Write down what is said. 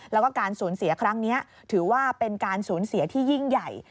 แล้วก็การสูญเสียครั้งนี้ถือว่าเป็นการสูญเสียที่ยิ่งใหญ่